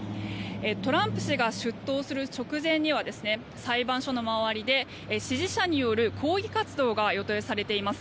トランプ氏が出頭する直前には裁判所の周りで支持者による抗議活動が予定されています。